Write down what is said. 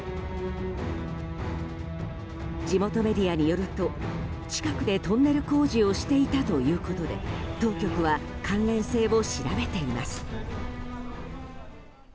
地元メディアによると近くでトンネル工事をしていたということで当局は関連性を調べています。